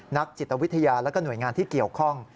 นักจิตวิทยาและหน่วยงานที่เกี่ยวข้อง